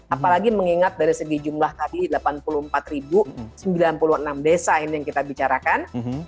apalagi mengingat dari segi jumlah tadi delapan puluh empat sembilan puluh enam desa ini yang kita bicarakan